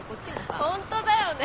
ホントだよね。